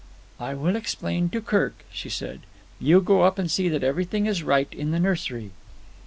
"I will explain to Kirk," she said. "You go up and see that everything is right in the nursery."